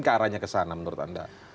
ke arahnya kesana menurut anda